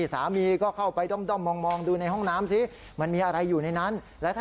สามีก็เข้าไปด้อมมองดูในห้องน้ำสิมันมีอะไรอยู่ในนั้น